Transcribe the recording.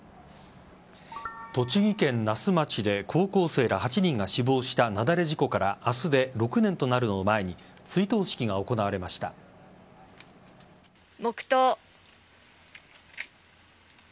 栃木県那須町で高校生ら８人が死亡した雪崩事故から明日で６年となるのを前に黙とう。